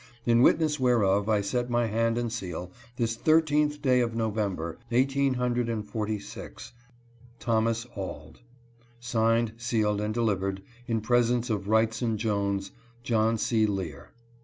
In witness whereof, I set my hand and seal this thir teenth day of November, eighteen hundred and forty six (1846). " Thomas Auld. " Signed, sealed, and delivered in presence of Wrightson Jones, John C. Lear."